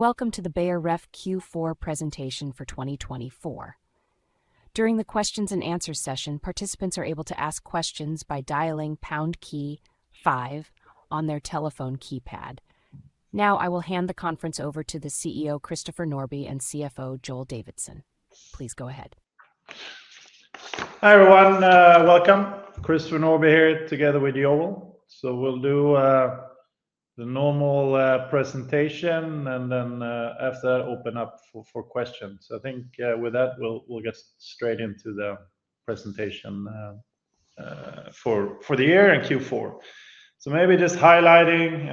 Welcome to the Beijer Ref Q4 presentation for 2024. During the Q&A session, participants are able to ask questions by dialing hash key five on their telephone keypad. Now, I will hand the conference over to the CEO, Christopher Norbye, and CFO, Joel Davidsson. Please go ahead. Hi everyone, welcome. Christopher Norbye here together with Joel. So we'll do the normal presentation, and then after that, open up for questions. I think with that, we'll get straight into the presentation for the year and Q4. So maybe just highlighting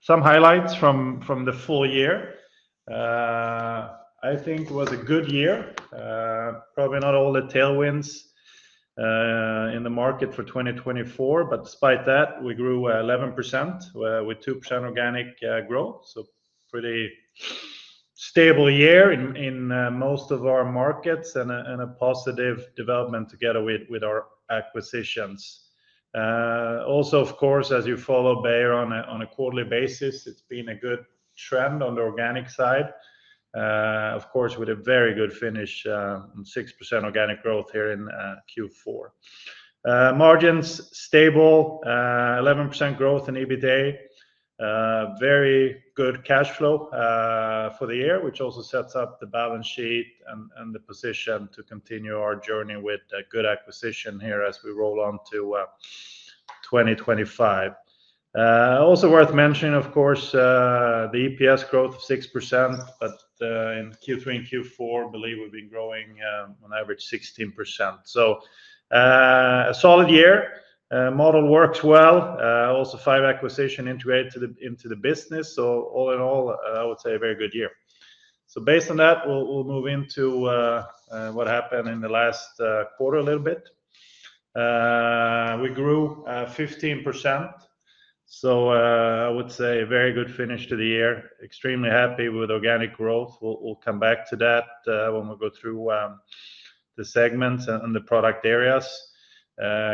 some highlights from the full year. I think it was a good year, probably not all the tailwinds in the market for 2024, but despite that, we grew 11% with 2% organic growth. So pretty stable year in most of our markets and a positive development together with our acquisitions. Also, of course, as you follow Beijer on a quarterly basis, it's been a good trend on the organic side. Of course, with a very good finish, 6% organic growth here in Q4. Margins stable, 11% growth in EBITDA, very good cash flow for the year, which also sets up the balance sheet and the position to continue our journey with good acquisition here as we roll on to 2025. Also worth mentioning, of course, the EPS growth of 6%, but in Q3 and Q4, I believe we've been growing on average 16%. So a solid year, model works well, also five acquisitions integrated into the business. So all in all, I would say a very good year. So based on that, we'll move into what happened in the last quarter a little bit. We grew 15%. So I would say a very good finish to the year. Extremely happy with organic growth. We'll come back to that when we go through the segments and the product areas.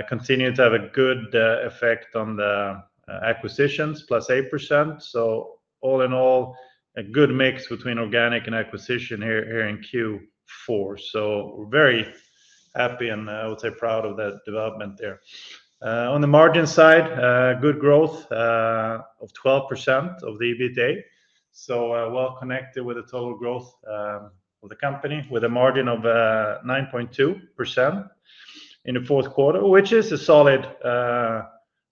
Continue to have a good effect on the acquisitions, plus 8%. So all in all, a good mix between organic and acquisition here in Q4. So very happy and I would say proud of that development there. On the margin side, good growth of 12% of the EBITDA. So well connected with the total growth of the company, with a margin of 9.2% in the fourth quarter, which is a solid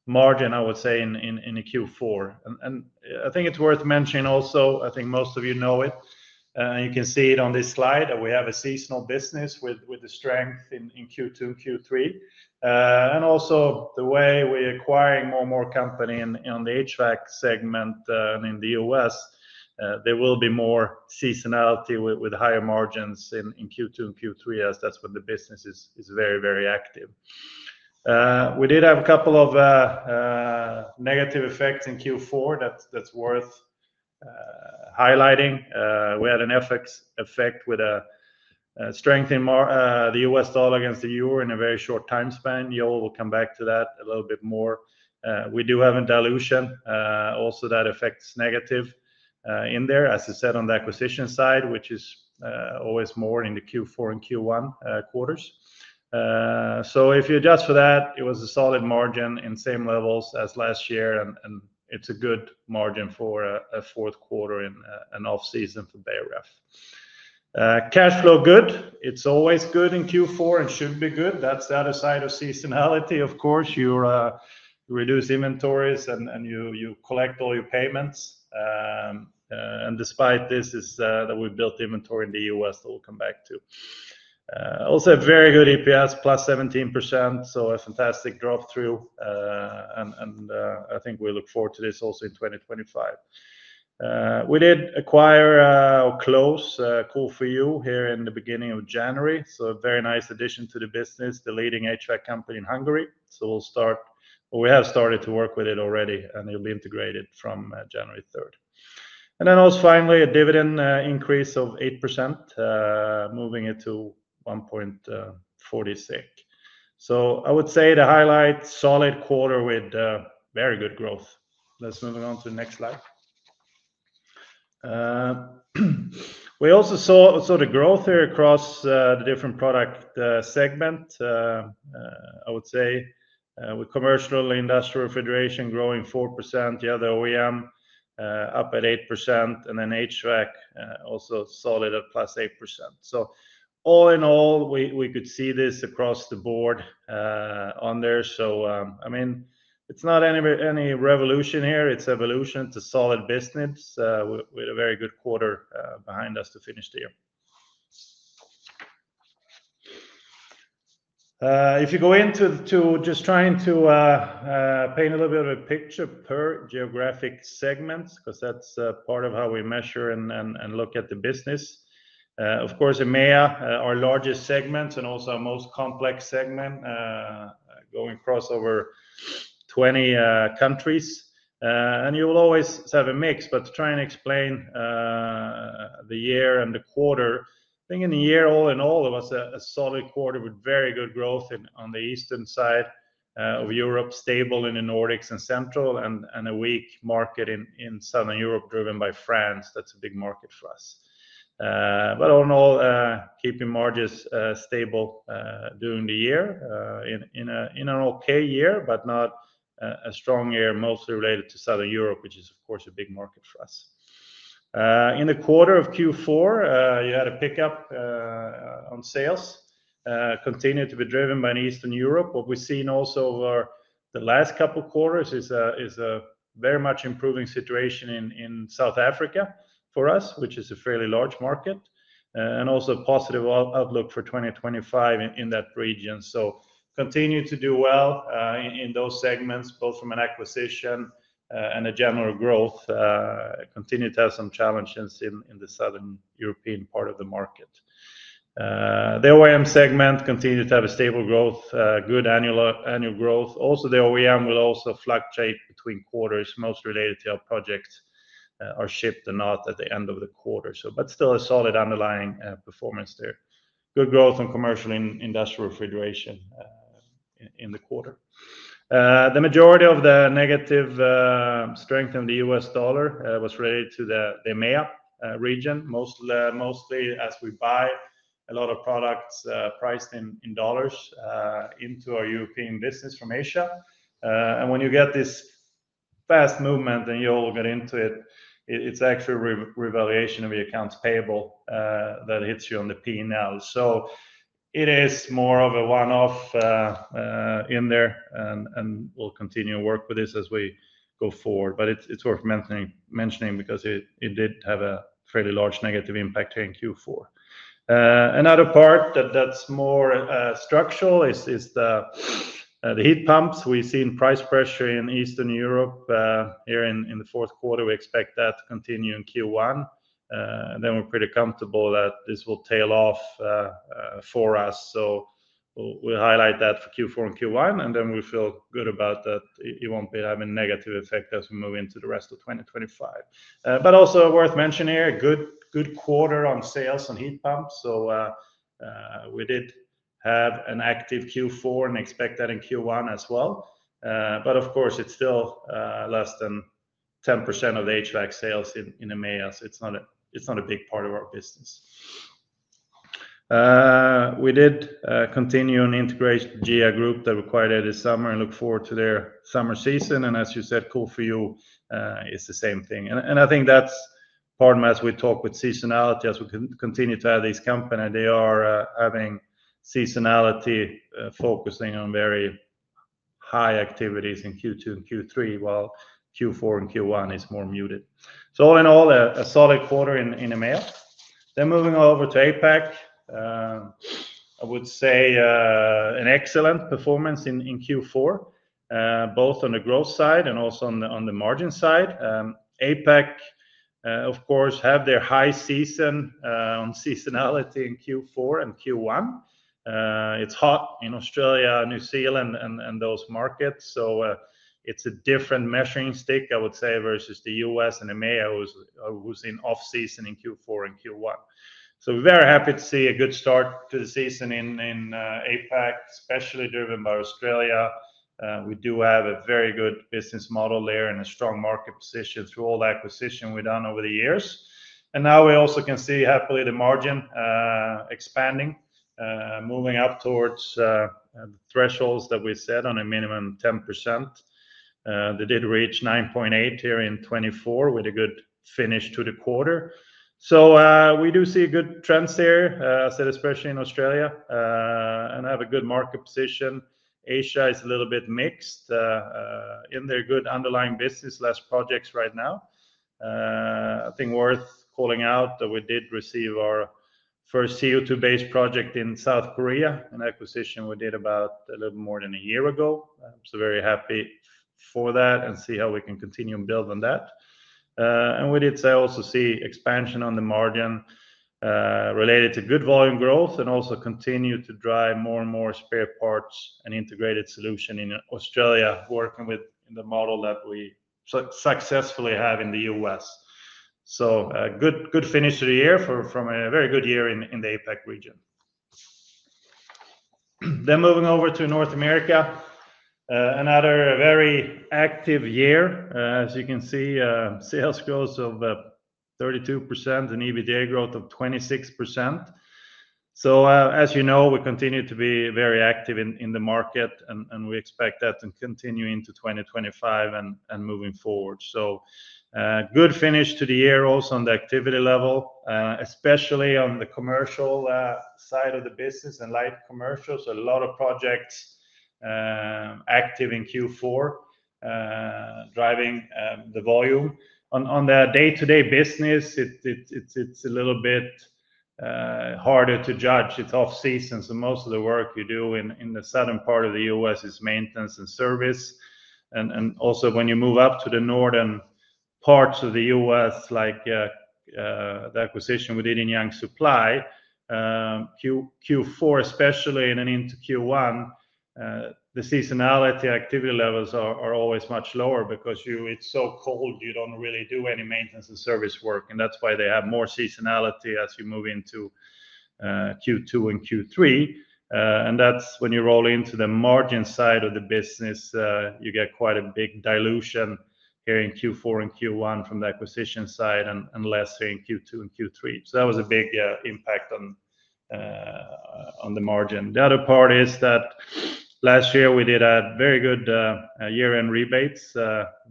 margin, I would say, in Q4. And I think it's worth mentioning also, I think most of you know it, and you can see it on this slide that we have a seasonal business with the strength in Q2 and Q3. And also the way we're acquiring more and more company in the HVAC segment and in the US, there will be more seasonality with higher margins in Q2 and Q3 as that's when the business is very, very active. We did have a couple of negative effects in Q4 that's worth highlighting. We had an effect with a strength in the U.S. dollar against the euro in a very short time span. Joel will come back to that a little bit more. We do have a dilution. Also that effect's negative in there, as I said, on the acquisition side, which is always more in the Q4 and Q1 quarters. So if you adjust for that, it was a solid margin in same levels as last year, and it's a good margin for a fourth quarter in an off season for Beijer Ref. Cash flow good. It's always good in Q4 and should be good. That's the other side of seasonality, of course. You reduce inventories and you collect all your payments. And despite this, we built inventory in the U.S. that we'll come back to. Also, a very good EPS, plus 17%. So, a fantastic drop through. And I think we look forward to this also in 2025. We did acquire or close Cool4u here in the beginning of January. So, a very nice addition to the business, the leading HVAC company in Hungary. So, we'll start, or we have started, to work with it already, and it'll be integrated from January 3rd. And then also finally, a dividend increase of 8%, moving it to 1.46. So, I would say to highlight a solid quarter with very good growth. Let's move on to the next slide. We also saw the growth here across the different product segment, I would say, with Commercial Industrial Refrigeration growing 4%, the other OEM up at 8%, and then HVAC also solid at plus 8%. So, all in all, we could see this across the board on there. So I mean, it's not any revolution here. It's evolution. It's a solid business with a very good quarter behind us to finish the year. If you go into just trying to paint a little bit of a picture per geographic segment, because that's part of how we measure and look at the business. Of course, EMEA, our largest segment and also our most complex segment, going across over 20 countries. And you will always have a mix, but to try and explain the year and the quarter, I think in the year, all in all, it was a solid quarter with very good growth on the eastern side of Europe, stable in the Nordics and Central, and a weak market in Southern Europe driven by France. That's a big market for us. But all in all, keeping margins stable during the year, in an okay year, but not a strong year, mostly related to Southern Europe, which is, of course, a big market for us. In the quarter of Q4, you had a pickup on sales, continued to be driven by Eastern Europe. What we've seen also over the last couple of quarters is a very much improving situation in South Africa for us, which is a fairly large market, and also a positive outlook for 2025 in that region. So continue to do well in those segments, both from an acquisition and a general growth, continue to have some challenges in the Southern European part of the market. The OEM segment continued to have a stable growth, good annual growth. Also, the OEM will also fluctuate between quarters, most related to our projects, our shipped and not at the end of the quarter. But still a solid underlying performance there. Good growth on Commercial Industrial Refrigeration in the quarter. The majority of the negative strength in the U.S. dollar was related to the EMEA region, mostly as we buy a lot of products priced in dollars into our European business from Asia. And when you get this fast movement and you all get into it, it's actually revaluation of the accounts payable that hits you on the P&L. So it is more of a one-off in there, and we'll continue to work with this as we go forward. But it's worth mentioning because it did have a fairly large negative impact here in Q4. Another part that's more structural is the heat pumps. We've seen price pressure in Eastern Europe here in the fourth quarter. We expect that to continue in Q1, then we're pretty comfortable that this will tail off for us, so we'll highlight that for Q4 and Q1, and then we feel good about that. It won't be having a negative effect as we move into the rest of 2025, but also worth mentioning here, good quarter on sales on heat pumps, so we did have an active Q4 and expect that in Q1 as well, but of course, it's still less than 10% of the HVAC sales in EMEAs. It's not a big part of our business. We did continue an integration with GIA Group that we acquired this summer and look forward to their summer season, and as you said, Cool4u is the same thing. I think that's part of, as we talk with seasonality, as we continue to have these companies, they are having seasonality, focusing on very high activities in Q2 and Q3, while Q4 and Q1 is more muted. So all in all, a solid quarter in EMEA. Then moving over to APAC, I would say an excellent performance in Q4, both on the growth side and also on the margin side. APAC, of course, have their high season on seasonality in Q4 and Q1. It's hot in Australia, New Zealand, and those markets. So it's a different measuring stick, I would say, versus the US and EMEA, who's in off season in Q4 and Q1. So we're very happy to see a good start to the season in APAC, especially driven by Australia. We do have a very good business model there and a strong market position through all the acquisitions we've done over the years. And now we also can see, happily, the margin expanding, moving up towards the thresholds that we set on a minimum 10%. They did reach 9.8 here in 2024 with a good finish to the quarter. So we do see good trends there, I said, especially in Australia, and have a good market position. Asia is a little bit mixed in their good underlying business, less projects right now. I think worth calling out that we did receive our first CO2-based project in South Korea, an acquisition we did about a little more than a year ago. So very happy for that and see how we can continue and build on that. We did also see expansion on the margin related to good volume growth and also continue to drive more and more spare parts and integrated solution in Australia, working within the model that we successfully have in the US. Good finish of the year from a very good year in the APAC region. Moving over to North America, another very active year. As you can see, sales growth of 32% and EBITDA growth of 26%. As you know, we continue to be very active in the market, and we expect that to continue into 2025 and moving forward. Good finish to the year also on the activity level, especially on the commercial side of the business and light commercials. A lot of projects active in Q4, driving the volume. On the day-to-day business, it's a little bit harder to judge. It's off season. Most of the work you do in the southern part of the U.S. is maintenance and service. Also, when you move up to the northern parts of the U.S., like the acquisition we did in Young Supply, Q4 especially, and into Q1, the seasonality activity levels are always much lower because it's so cold, you don't really do any maintenance and service work. That's why they have more seasonality as you move into Q2 and Q3. That's when you roll into the margin side of the business, you get quite a big dilution here in Q4 and Q1 from the acquisition side and less here in Q2 and Q3. That was a big impact on the margin. The other part is that last year we did a very good year-end rebates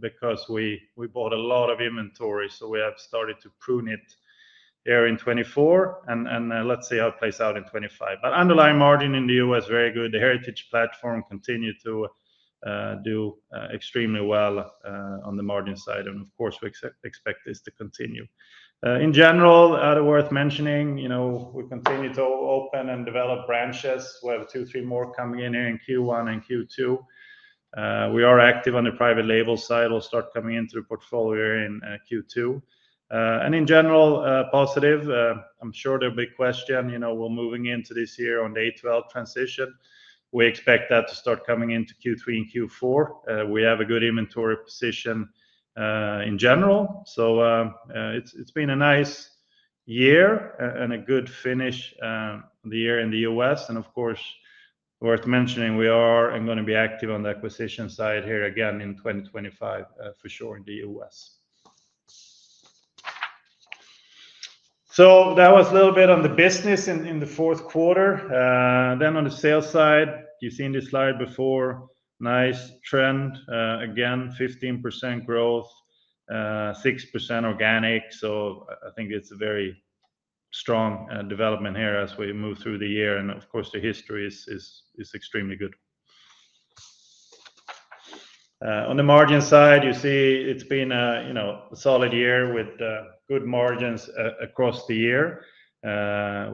because we bought a lot of inventory. So we have started to prune it here in 2024, and let's see how it plays out in 2025. But underlying margin in the U.S., very good. The Heritage platform continued to do extremely well on the margin side. And of course, we expect this to continue. In general, other worth mentioning, we continue to open and develop branches. We have two, three more coming in here in Q1 and Q2. We are active on the private label side. We'll start coming into the portfolio here in Q2. And in general, positive. I'm sure there'll be a big question. We're moving into this year on the A2L transition. We expect that to start coming into Q3 and Q4. We have a good inventory position in general. So it's been a nice year and a good finish the year in the U.S. Of course, worth mentioning, we are going to be active on the acquisition side here again in 2025 for sure in the US. That was a little bit on the business in the fourth quarter. On the sales side, you've seen this slide before. Nice trend. Again, 15% growth, 6% organic. I think it's a very strong development here as we move through the year. Of course, the history is extremely good. On the margin side, you see it's been a solid year with good margins across the year,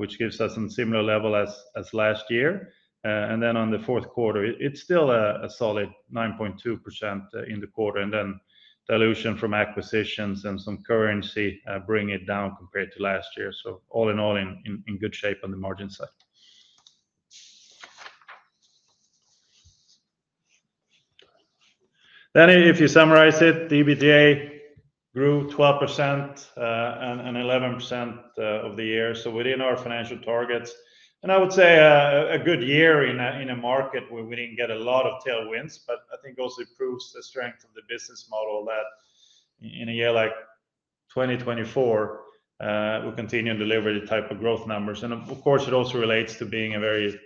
which gives us some similar level as last year. On the fourth quarter, it's still a solid 9.2% in the quarter. Dilution from acquisitions and some currency bring it down compared to last year. All in all, in good shape on the margin side. Then if you summarize it, EBITDA grew 12% and 11% of the year. So within our financial targets. And I would say a good year in a market where we didn't get a lot of tailwinds, but I think also it proves the strength of the business model that in a year like 2024, we continue to deliver the type of growth numbers. And of course, it also relates to being a very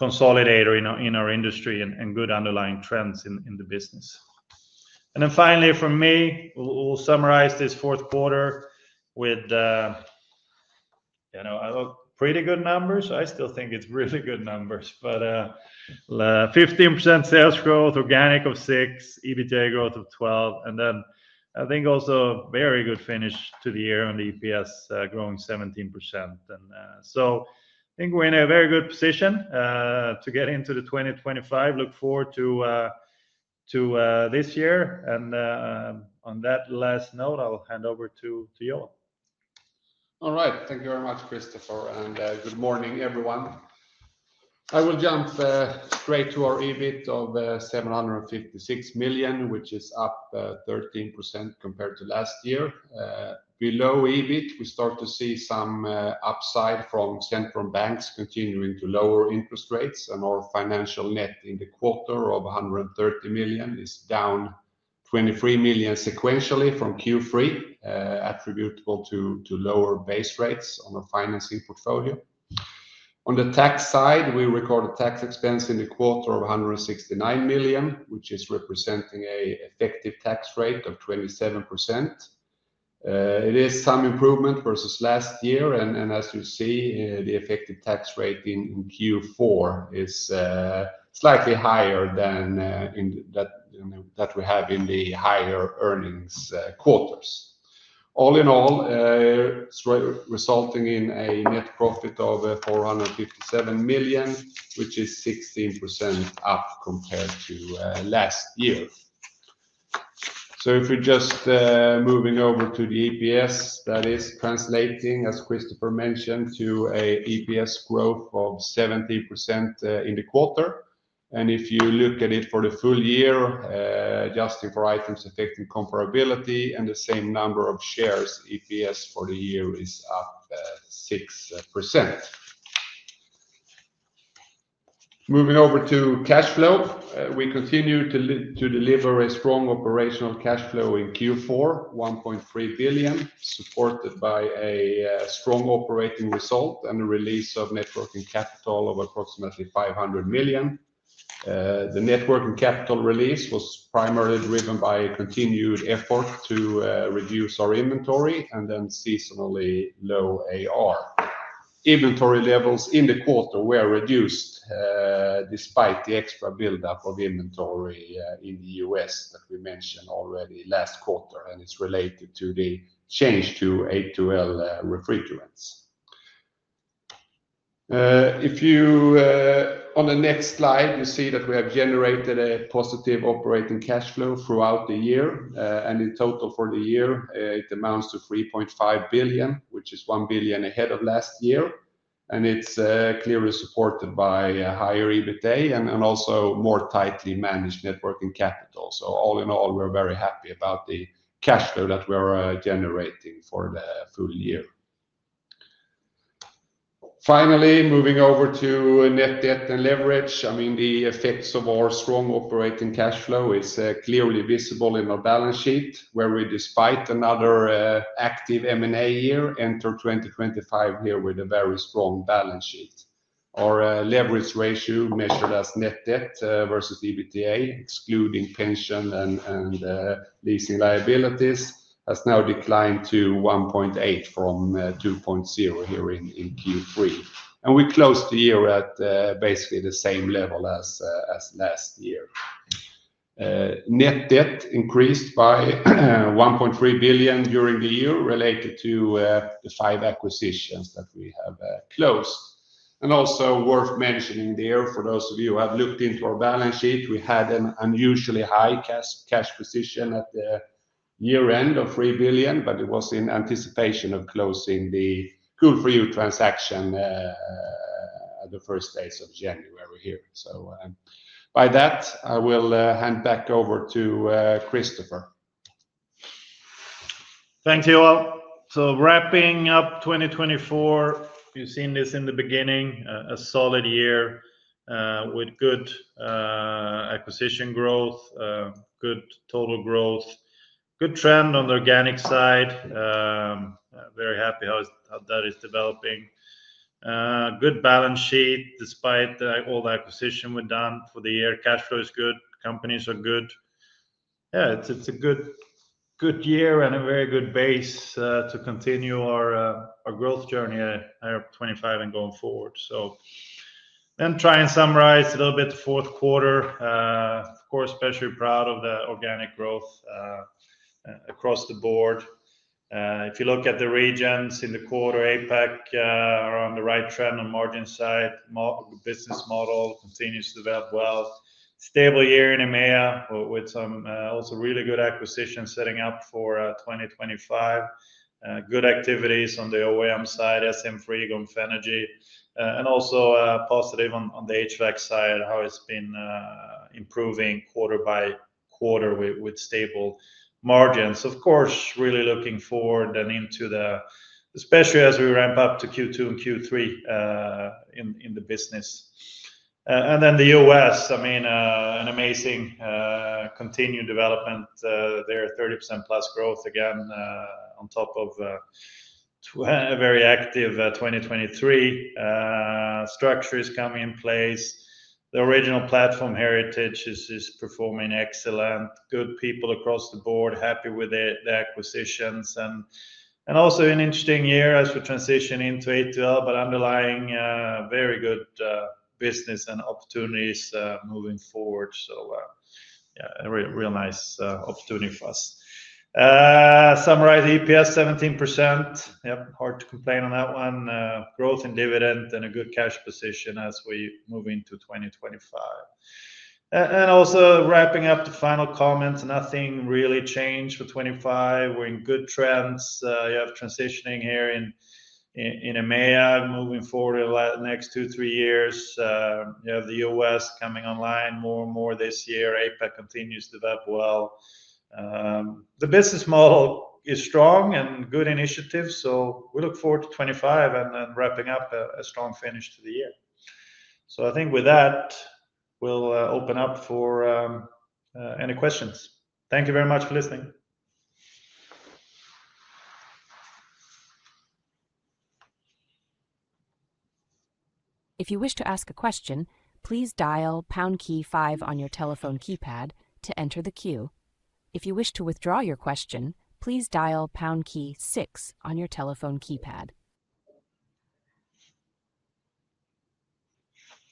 consolidator in our industry and good underlying trends in the business. And then finally, for me, we'll summarize this fourth quarter with pretty good numbers. I still think it's really good numbers, but 15% sales growth, organic of 6%, EBITDA growth of 12%. And then I think also very good finish to the year on the EPS, growing 17%. And so I think we're in a very good position to get into the 2025. Look forward to this year. On that last note, I'll hand over to Joel. All right. Thank you very much, Christopher. Good morning, everyone. I will jump straight to our EBIT of 756 million, which is up 13% compared to last year. Below EBIT, we start to see some upside from central banks continuing to lower interest rates. Our financial net in the quarter of 130 million is down 23 million sequentially from Q3, attributable to lower base rates on our financing portfolio. On the tax side, we recorded tax expense in the quarter of 169 million, which is representing an effective tax rate of 27%. It is some improvement versus last year. As you see, the effective tax rate in Q4 is slightly higher than that we have in the higher earnings quarters. All in all, resulting in a net profit of 457 million, which is 16% up compared to last year. So if we're just moving over to the EPS, that is translating, as Christopher mentioned, to an EPS growth of 17% in the quarter. And if you look at it for the full year, adjusting for items affecting comparability and the same number of shares, EPS for the year is up 6%. Moving over to cash flow, we continue to deliver a strong operational cash flow in Q4, 1.3 billion, supported by a strong operating result and a release of working capital of approximately 500 million. The working capital release was primarily driven by continued effort to reduce our inventory and then seasonally low AR. Inventory levels in the quarter were reduced despite the extra buildup of inventory in the U.S. that we mentioned already last quarter, and it's related to the change to A2L refrigerants. On the next slide, you see that we have generated a positive operating cash flow throughout the year. In total for the year, it amounts to 3.5 billion, which is 1 billion ahead of last year. It's clearly supported by higher EBITDA and also more tightly managed working capital. So all in all, we're very happy about the cash flow that we're generating for the full year. Finally, moving over to net debt and leverage, I mean, the effects of our strong operating cash flow is clearly visible in our balance sheet, where we, despite another active M&A year, enter 2025 here with a very strong balance sheet. Our leverage ratio, measured as net debt versus EBITDA, excluding pension and leasing liabilities, has now declined to 1.8 from 2.0 here in Q3, and we closed the year at basically the same level as last year. Net debt increased by 1.3 billion SEK during the year, related to the five acquisitions that we have closed. And also worth mentioning there, for those of you who have looked into our balance sheet, we had an unusually high cash position at the year-end of 3 billion SEK, but it was in anticipation of closing the Cool4u transaction at the first days of January here. So by that, I will hand back over to Christopher. Thank you all. So wrapping up 2024, you've seen this in the beginning, a solid year with good acquisition growth, good total growth, good trend on the organic side. Very happy how that is developing. Good balance sheet despite all the acquisitions we've done for the year. Cash flow is good. Companies are good. Yeah, it's a good year and a very good base to continue our growth journey here of 2025 and going forward. So then try and summarize a little bit the fourth quarter. Of course, especially proud of the organic growth across the board. If you look at the regions in the quarter, APAC are on the right trend on margin side. The business model continues to develop well. Stable year in EMEA with some also really good acquisitions setting up for 2025. Good activities on the OEM side, SCM Frigo, Fenagy. And also positive on the HVAC side, how it's been improving quarter by quarter with stable margins. Of course, really looking forward and into the, especially as we ramp up to Q2 and Q3 in the business. And then the U.S., I mean, an amazing continued development there, 30% plus growth again on top of a very active 2023. Structure is coming in place. The original platform Heritage is performing excellent. Good people across the board, happy with the acquisitions. And also an interesting year as we transition into A2L, but underlying very good business and opportunities moving forward. So yeah, a real nice opportunity for us. Summarize EPS, 17%. Yep, hard to complain on that one. Growth in dividend and a good cash position as we move into 2025. And also wrapping up the final comments, nothing really changed for 2025. We're in good trends. You have transitioning here in EMEA moving forward in the next two, three years. You have the U.S. coming online more and more this year. APAC continues to develop well. The business model is strong and good initiative. So we look forward to 2025 and then wrapping up a strong finish to the year. So I think with that, we'll open up for any questions. Thank you very much for listening. If you wish to ask a question, please dial pound key five on your telephone keypad to enter the queue. If you wish to withdraw your question, please dial pound key six on your telephone keypad.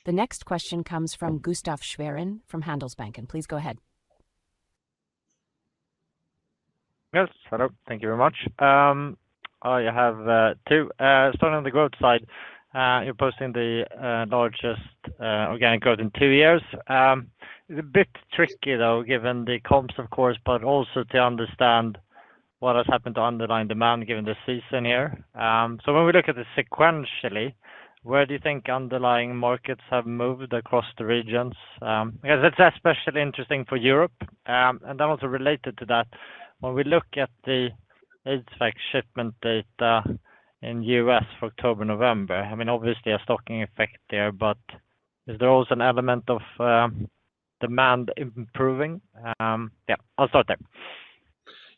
The next question comes from Gustaf Schwerin from Handelsbanken. Please go ahead. Yes, hello. Thank you very much. I have two. Starting on the growth side, you're posting the largest organic growth in two years. It's a bit tricky though, given the comps, of course, but also to understand what has happened to underlying demand given the season here. So when we look at it sequentially, where do you think underlying markets have moved across the regions? I guess it's especially interesting for Europe. And then also related to that, when we look at the HVAC shipment data in the U.S. for October and November, I mean, obviously a stocking effect there, but is there also an element of demand improving? Yeah, I'll start there.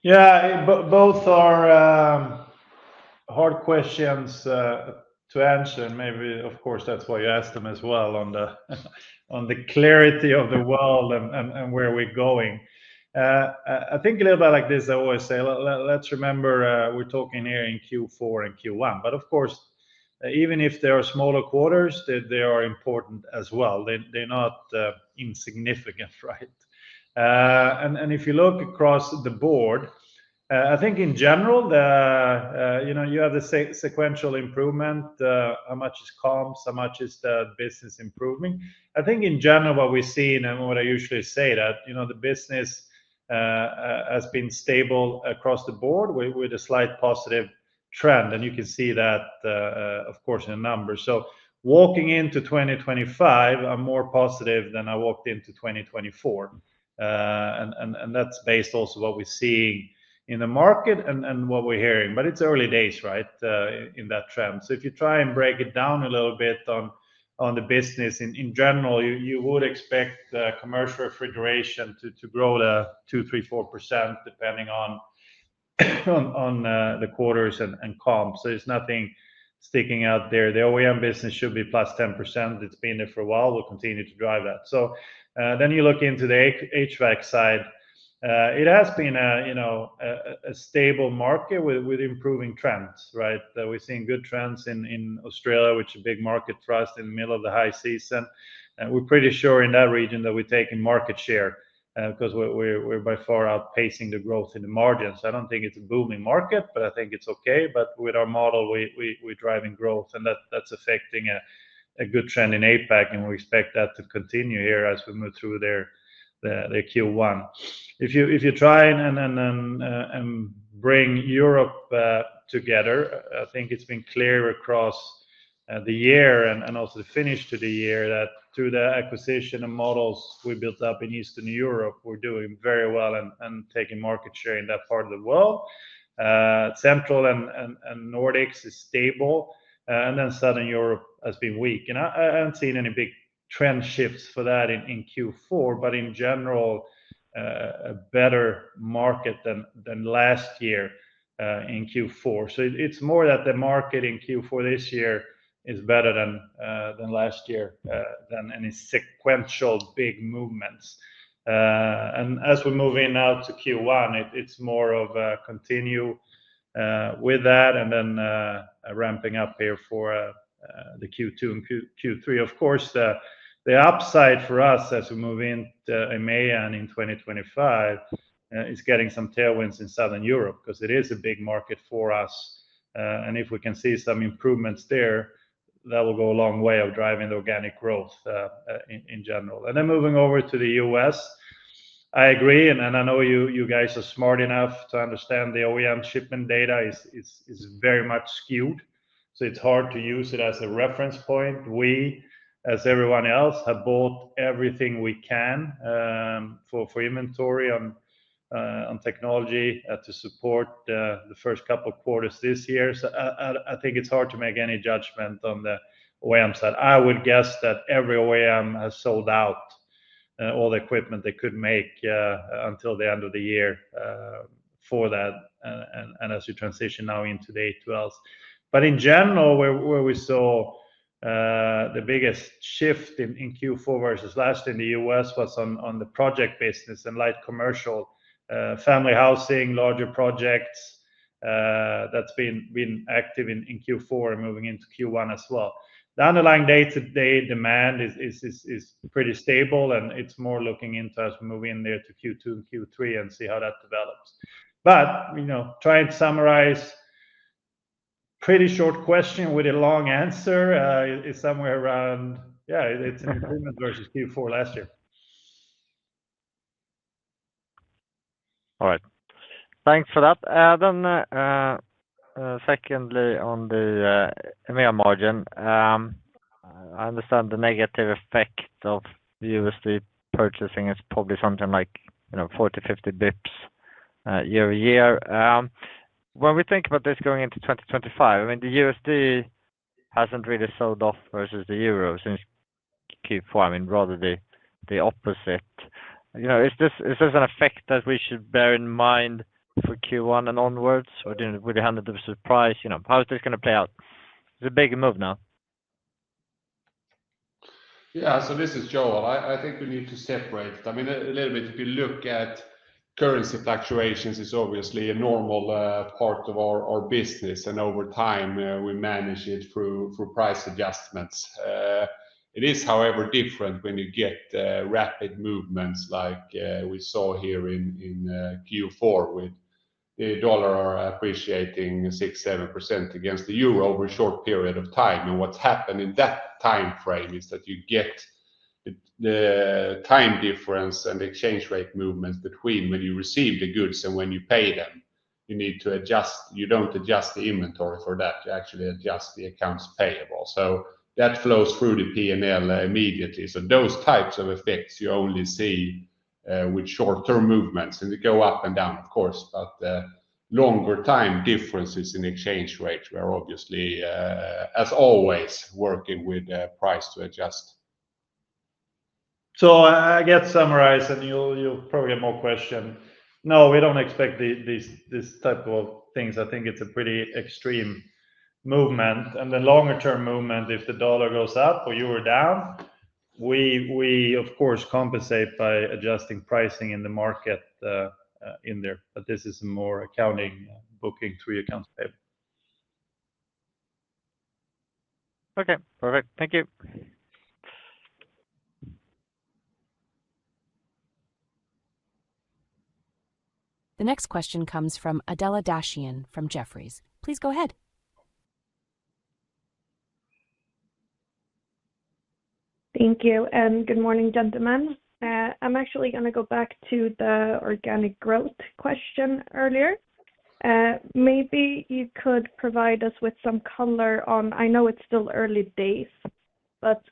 Yeah, both are hard questions to answer. Maybe, of course, that's why you asked them as well on the clarity of the world and where we're going. I think a little bit like this, I always say, let's remember we're talking here in Q4 and Q1. But of course, even if there are smaller quarters, they are important as well. They're not insignificant, right? And if you look across the board, I think in general, you have the sequential improvement. How much is comps? How much is the business improving? I think in general, what we see, and what I usually say, is that the business has been stable across the board with a slight positive trend, and you can see that, of course, in numbers. So walking into 2025, I'm more positive than I walked into 2024, and that's based also on what we're seeing in the market and what we're hearing. But it's early days, right, in that trend. So if you try and break it down a little bit on the business in general, you would expect commercial refrigeration to grow to 2%, 3%, 4%, depending on the quarters and comps. So there's nothing sticking out there. The OEM business should be +10%. It's been there for a while. We'll continue to drive that. So then you look into the HVAC side. It has been a stable market with improving trends, right? We're seeing good trends in Australia, which is a big market for us in the middle of the high season, and we're pretty sure in that region that we're taking market share because we're by far outpacing the growth in the market. I don't think it's a booming market, but I think it's okay, but with our model, we're driving growth, and that's a good trend in APAC, and we expect that to continue here as we move through their Q1. If you try and bring Europe together, I think it's been clear across the year and also the finish to the year that through the acquisition and models we built up in Eastern Europe, we're doing very well and taking market share in that part of the world. Central and Nordics is stable, and then Southern Europe has been weak. I haven't seen any big trend shifts for that in Q4, but in general, a better market than last year in Q4. It's more that the market in Q4 this year is better than last year than any sequential big movements. As we're moving now to Q1, it's more of a continue with that and then ramping up here for the Q2 and Q3. Of course, the upside for us as we move into EMEA and in 2025 is getting some tailwinds in Southern Europe because it is a big market for us. If we can see some improvements there, that will go a long way of driving the organic growth in general. Moving over to the US, I agree. I know you guys are smart enough to understand the OEM shipment data is very much skewed. So it's hard to use it as a reference point. We, as everyone else, have bought everything we can for inventory on technology to support the first couple of quarters this year. So I think it's hard to make any judgment on the OEM side. I would guess that every OEM has sold out all the equipment they could make until the end of the year for that. And as you transition now into the A2Ls. But in general, where we saw the biggest shift in Q4 versus last in the U.S. was on the project business and light commercial, family housing, larger projects that's been active in Q4 and moving into Q1 as well. The underlying day-to-day demand is pretty stable, and it's more looking into as we move in there to Q2 and Q3 and see how that develops. But trying to summarize, pretty short question with a long answer is somewhere around, yeah, it's an improvement versus Q4 last year. All right. Thanks for that. Then secondly, on the EMEA margin, I understand the negative effect of USD purchasing is probably something like 40-50 basis points year-to-year. When we think about this going into 2025, I mean, the USD hasn't really sold off versus the euro since Q4. I mean, rather the opposite. Is this an effect that we should bear in mind for Q1 and onwards, or with the 100% price? How is this going to play out? It's a big move now. Yeah, so this is Joel. I think we need to separate it. I mean, a little bit, if you look at currency fluctuations, it's obviously a normal part of our business. And over time, we manage it through price adjustments. It is, however, different when you get rapid movements like we saw here in Q4 with the dollar appreciating 6%-7% against the euro over a short period of time. And what's happened in that time frame is that you get the time difference and exchange rate movements between when you receive the goods and when you pay them. You don't adjust the inventory for that. You actually adjust the accounts payable. So that flows through the P&L immediately. So those types of effects, you only see with short-term movements. And they go up and down, of course, but longer-term differences in exchange rates were obviously, as always, working with price to adjust. So I get summarized, and you'll probably have more questions. No, we don't expect this type of things. I think it's a pretty extreme movement. And the longer-term movement, if the dollar goes up or you are down, we, of course, compensate by adjusting pricing in the market in there. But this is more accounting, booking through your accounts payable. Okay. Perfect. Thank you. The next question comes from Adela Dashian from Jefferies. Please go ahead. Thank you. And good morning, gentlemen. I'm actually going to go back to the organic growth question earlier. Maybe you could provide us with some color on, I know it's still early days, but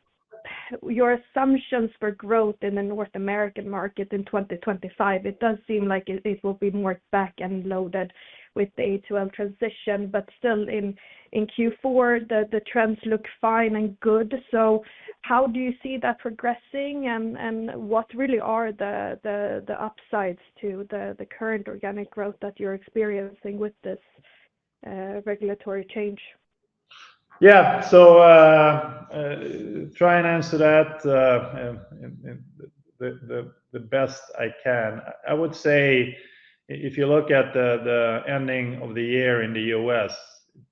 your assumptions for growth in the North American market in 2025. It does seem like it will be more back-loaded with the A2L transition. But still in Q4, the trends look fine and good. So how do you see that progressing? And what really are the upsides to the current organic growth that you're experiencing with this regulatory change? Yeah. So, try and answer that the best I can. I would say if you look at the ending of the year in the U.S.,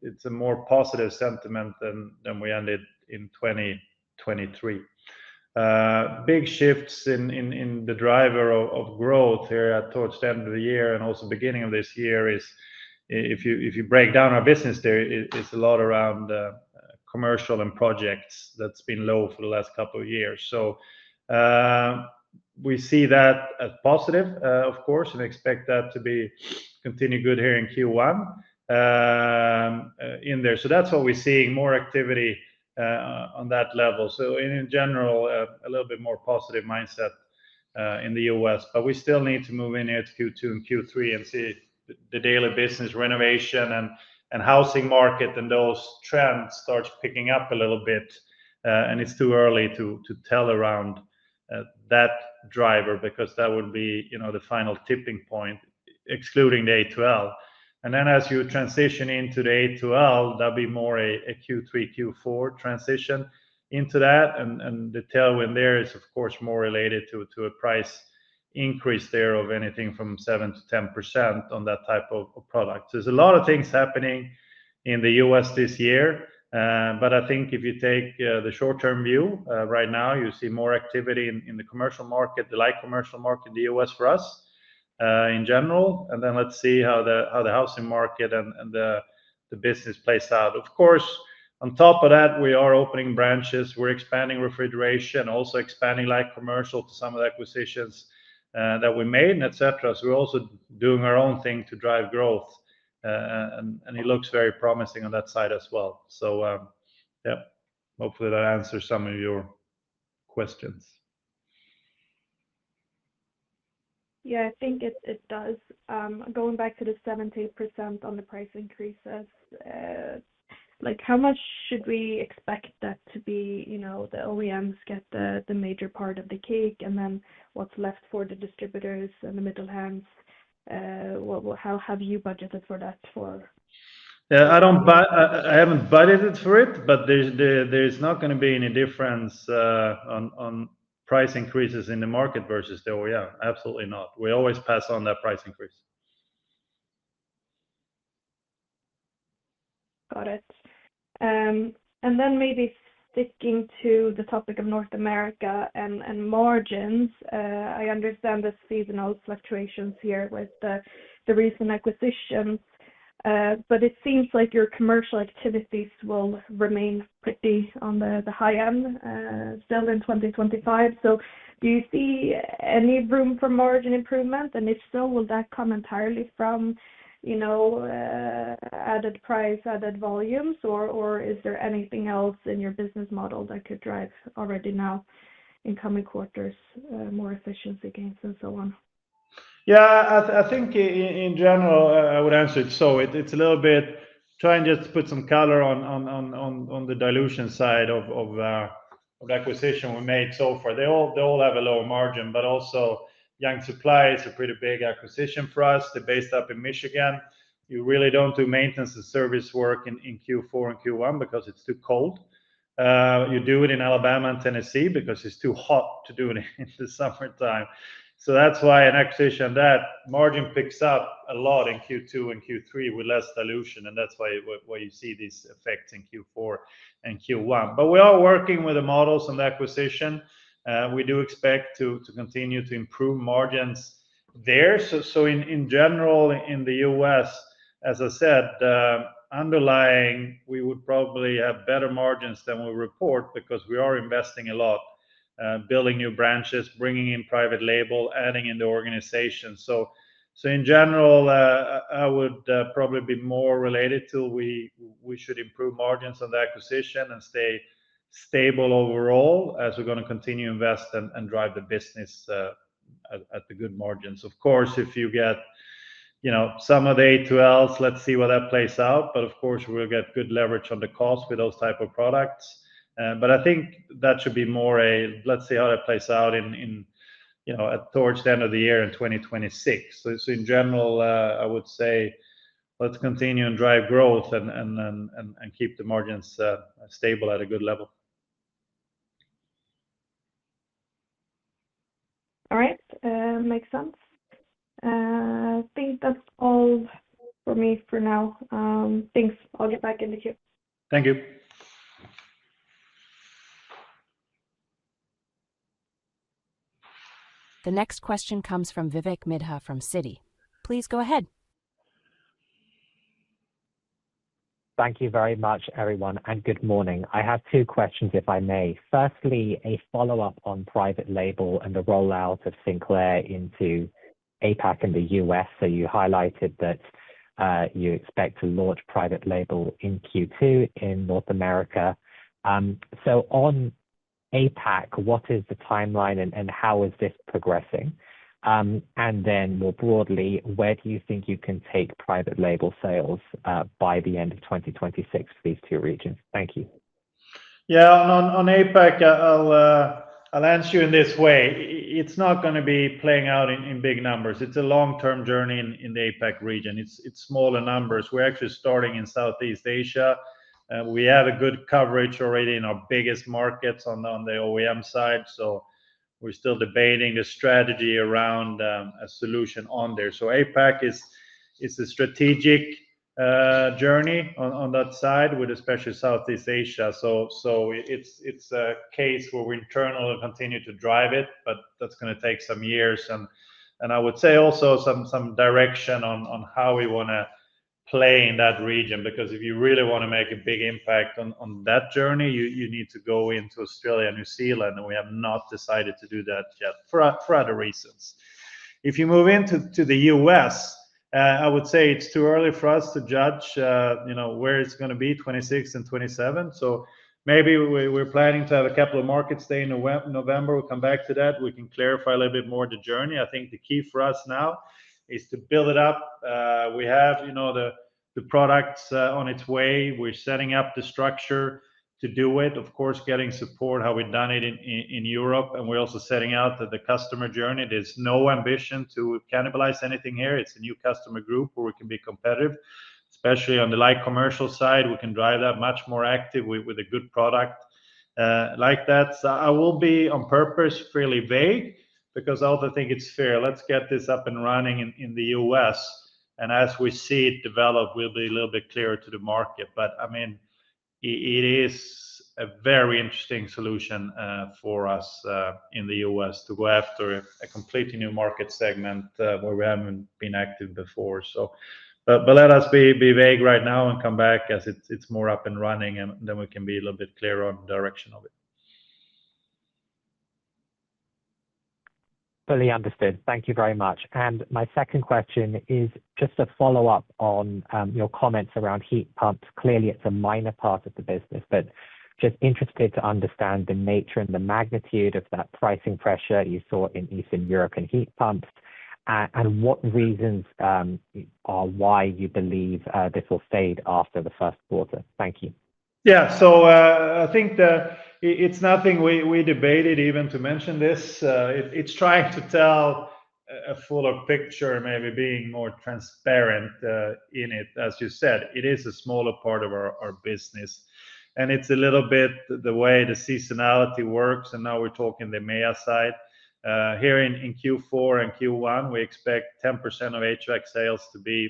it's a more positive sentiment than we ended in 2023. Big shifts in the driver of growth here towards the end of the year and also beginning of this year is, if you break down our business there, it's a lot around commercial and projects that's been low for the last couple of years. So we see that as positive, of course, and expect that to continue good here in Q1 in there. So that's what we're seeing, more activity on that level. So in general, a little bit more positive mindset in the U.S. But we still need to move in here to Q2 and Q3 and see the daily business renovation and housing market and those trends start picking up a little bit. And it's too early to tell around that driver because that would be the final tipping point, excluding the A2L. And then as you transition into the A2L, that'll be more a Q3, Q4 transition into that. And the tailwind there is, of course, more related to a price increase there of anything from 7%-10% on that type of product. So there's a lot of things happening in the U.S. this year. But I think if you take the short-term view, right now, you see more activity in the commercial market, the light commercial market, the U.S. for us in general. And then let's see how the housing market and the business plays out. Of course, on top of that, we are opening branches. We're expanding refrigeration, also expanding light commercial to some of the acquisitions that we made, etc. So we're also doing our own thing to drive growth. And it looks very promising on that side as well. So yeah, hopefully that answers some of your questions. Yeah, I think it does. Going back to the 70% on the price increases, how much should we expect that to be? The OEMs get the major part of the cake, and then what's left for the distributors and the middle hands? How have you budgeted for that? I haven't budgeted for it, but there's not going to be any difference on price increases in the market versus the OEM. Absolutely not. We always pass on that price increase. Got it. And then maybe sticking to the topic of North America and margins, I understand the seasonal fluctuations here with the recent acquisitions. But it seems like your commercial activities will remain pretty on the high end still in 2025. So do you see any room for margin improvement? And if so, will that come entirely from added price, added volumes, or is there anything else in your business model that could drive already now in coming quarters, more efficiency gains and so on? Yeah, I think in general, I would answer it. So it's a little bit trying to put some color on the dilution side of the acquisition we made so far. They all have a low margin, but also Young Supply is a pretty big acquisition for us. They're based up in Michigan. You really don't do maintenance and service work in Q4 and Q1 because it's too cold. You do it in Alabama and Tennessee because it's too hot to do it in the summertime. So that's why an acquisition that margin picks up a lot in Q2 and Q3 with less dilution. That's why you see these effects in Q4 and Q1. But we are working with the models on the acquisition. We do expect to continue to improve margins there. So in general, in the U.S., as I said, underlying, we would probably have better margins than we report because we are investing a lot, building new branches, bringing in private label, adding in the organization. So in general, I would probably be more related to we should improve margins on the acquisition and stay stable overall as we're going to continue to invest and drive the business at the good margins. Of course, if you get some of the A2Ls, let's see what that plays out. But of course, we'll get good leverage on the cost with those types of products. But I think that should be more a let's see how that plays out towards the end of the year in 2026. So in general, I would say let's continue and drive growth and keep the margins stable at a good level. All right. Makes sense. I think that's all for me for now. Thanks. I'll get back in the queue. Thank you. The next question comes from Vivek Midha from Citi. Please go ahead. Thank you very much, everyone, and good morning. I have two questions, if I may. Firstly, a follow-up on private label and the rollout of Sinclair into APAC and the US. So you highlighted that you expect to launch private label in Q2 in North America. So on APAC, what is the timeline and how is this progressing? And then more broadly, where do you think you can take private label sales by the end of 2026 for these two regions? Thank you. Yeah, on APAC, I'll answer you in this way. It's not going to be playing out in big numbers. It's a long-term journey in the APAC region. It's smaller numbers. We're actually starting in Southeast Asia. We have a good coverage already in our biggest markets on the OEM side. So we're still debating the strategy around a solution on there. So APAC is a strategic journey on that side with especially Southeast Asia. So it's a case where we internally continue to drive it, but that's going to take some years. And I would say also some direction on how we want to play in that region because if you really want to make a big impact on that journey, you need to go into Australia and New Zealand. And we have not decided to do that yet for other reasons. If you move into the US, I would say it's too early for us to judge where it's going to be, 2026 and 2027. So maybe we're planning to have a couple of markets stay in November. We'll come back to that. We can clarify a little bit more the journey. I think the key for us now is to build it up. We have the products on its way. We're setting up the structure to do it, of course, getting support, how we've done it in Europe. And we're also setting out the customer journey. There's no ambition to cannibalize anything here. It's a new customer group where we can be competitive, especially on the light commercial side. We can drive that much more active with a good product like that. So I will be on purpose fairly vague because I also think it's fair. Let's get this up and running in the U.S. And as we see it develop, we'll be a little bit clearer to the market. But I mean, it is a very interesting solution for us in the U.S. to go after a completely new market segment where we haven't been active before. But let us be vague right now and come back as it's more up and running, and then we can be a little bit clearer on the direction of it. Fully understood. Thank you very much. My second question is just a follow-up on your comments around heat pumps. Clearly, it's a minor part of the business, but just interested to understand the nature and the magnitude of that pricing pressure you saw in Eastern Europe and heat pumps. And what reasons are why you believe this will fade after the first quarter? Thank you. Yeah. So I think it's nothing we debated even to mention this. It's trying to tell a fuller picture, maybe being more transparent in it. As you said, it is a smaller part of our business. And it's a little bit the way the seasonality works. And now we're talking the EMEA side. Here in Q4 and Q1, we expect 10% of HVAC sales to be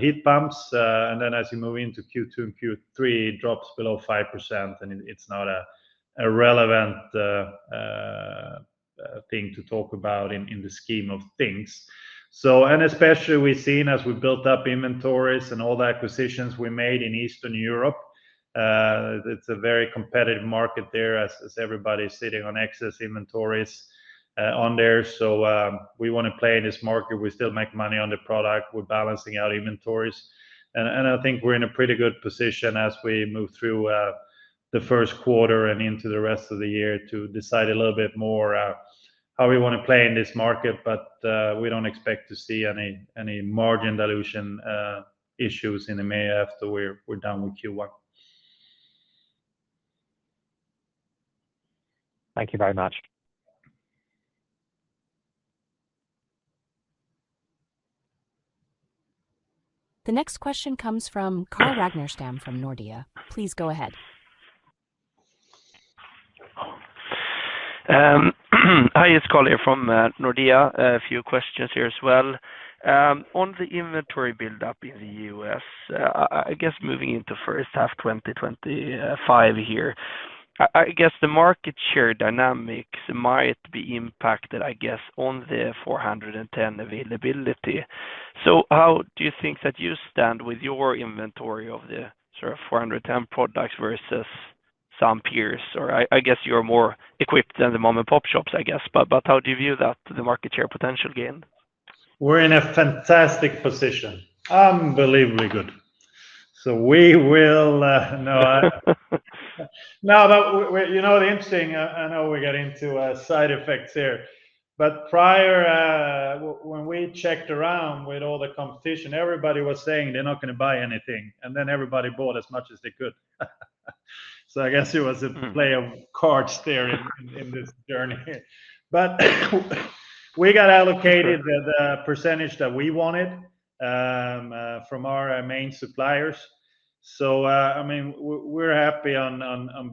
heat pumps. And then as you move into Q2 and Q3, it drops below 5%. It's not a relevant thing to talk about in the scheme of things. And especially we've seen as we built up inventories and all the acquisitions we made in Eastern Europe. It's a very competitive market there as everybody's sitting on excess inventories on there. So we want to play in this market. We still make money on the product. We're balancing out inventories. And I think we're in a pretty good position as we move through the first quarter and into the rest of the year to decide a little bit more how we want to play in this market. But we don't expect to see any margin dilution issues in the EMEA after we're done with Q1. Thank you very much. The next question comes from Carl Ragnerstam from Nordea. Please go ahead. Hi, it's Carl here from Nordea. A few questions here as well. On the inventory build-up in the U.S., I guess moving into first half 2025 here, I guess the market share dynamics might be impacted, I guess, on the 410 availability. So how do you think that you stand with your inventory of the sort of 410 products versus some peers? Or I guess you're more equipped than the mom-and-pop shops, I guess. But how do you view that, the market share potential gain? We're in a fantastic position. Unbelievably good. So we will know. No, but you know the interesting I know we get into side effects here, but prior, when we checked around with all the competition, everybody was saying they're not going to buy anything, and then everybody bought as much as they could. So I guess it was a play of cards there in this journey. But we got allocated the percentage that we wanted from our main suppliers. So I mean, we're happy on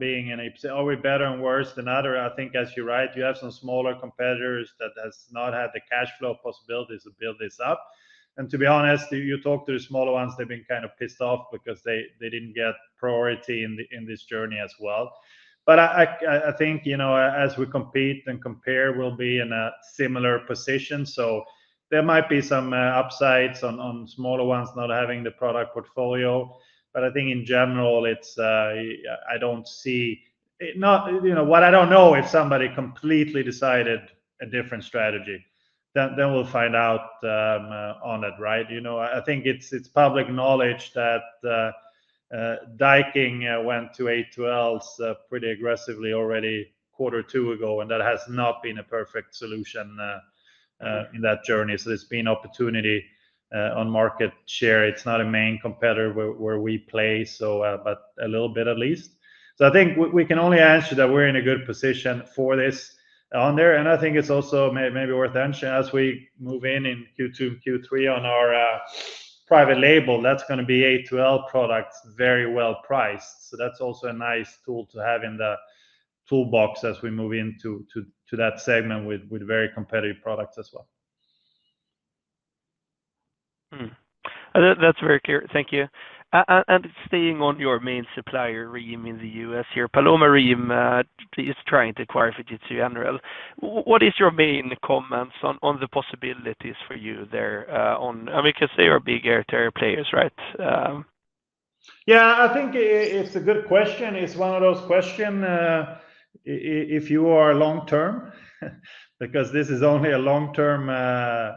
being in a. Are we better and worse than other? I think as you write, you have some smaller competitors that have not had the cash flow possibilities to build this up. And to be honest, you talk to the smaller ones, they've been kind of pissed off because they didn't get priority in this journey as well. But I think as we compete and compare, we'll be in a similar position. So there might be some upsides on smaller ones not having the product portfolio. But I think in general, I don't see what. I don't know if somebody completely decided a different strategy. Then we'll find out on it, right? I think it's public knowledge that Daikin went to A2Ls pretty aggressively already quarter two ago, and that has not been a perfect solution in that journey. So there's been opportunity on market share. It's not a main competitor where we play, but a little bit at least. So I think we can only answer that we're in a good position for this on there. And I think it's also maybe worth mentioning as we move in Q2 and Q3 on our private label, that's going to be A2L products very well priced. So that's also a nice tool to have in the toolbox as we move into that segment with very competitive products as well. That's very clear. Thank you. And staying on your main supplier Rheem in the US here, Paloma Rheem is trying to acquire Fujitsu and Fujitsu General. What is your main comments on the possibilities for you there? I mean, because they are big air players, right? Yeah, I think it's a good question. It's one of those questions if you are long-term, because this is only a long-term